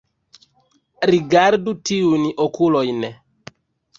Rigardu tiujn okulojn